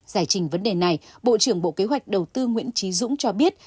giải trình vấn đề này bộ trưởng bộ kế hoạch đầu tư nguyễn trí dũng cho biết